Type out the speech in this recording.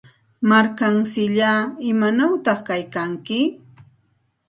Markamsillaa, ¿imanawta kaykanki?